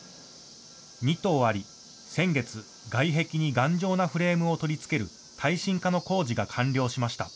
２棟あり先月、外壁に頑丈なフレームを取り付ける耐震化の工事が完了しました。